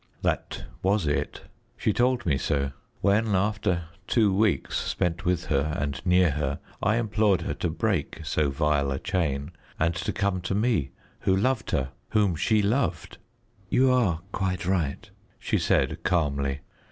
That was it. She told me so when, after two weeks spent with her and near her, I implored her to break so vile a chain and to come to me, who loved her whom she loved. "You are quite right," she said calmly.